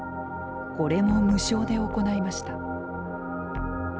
これも無償で行いました。